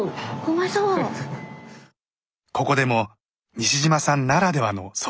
ここでも西島さんならではの想像が。